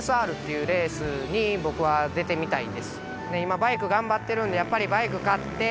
今バイク頑張ってるんでやっぱりバイク勝って。